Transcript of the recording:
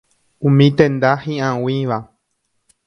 Umi tenda hi'ag̃uíva.